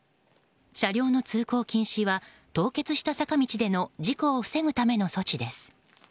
車両の通行禁止は凍結した坂道での事故を防ぐための措置です。